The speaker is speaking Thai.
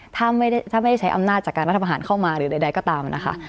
ถ้าไม่ได้ใช้อำนาจจากการรัฐประหารเข้ามาหรือใดก็ตามนะคะ